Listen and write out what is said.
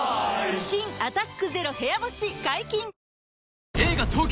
新「アタックＺＥＲＯ部屋干し」解禁‼